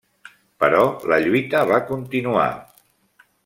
Però la lluita va continuar.